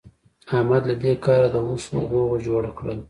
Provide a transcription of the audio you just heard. احمد له دې کاره د اوښ غوو جوړ کړل.